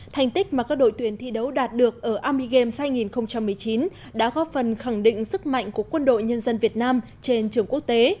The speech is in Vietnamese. thành tích mà các đội tuyển thi đấu đạt được ở army games hai nghìn một mươi chín đã góp phần khẳng định sức mạnh của quân đội nhân dân việt nam trên trường quốc tế